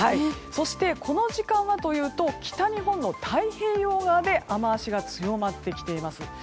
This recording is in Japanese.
そして、この時間は北日本の太平洋側で雨脚が強まってきています。